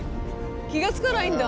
気が付かないんだ。